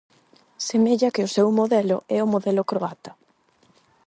Semella que o seu modelo é o modelo croata.